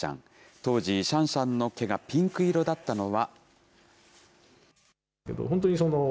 当時、シャンシャンの毛がピンク色だったのは。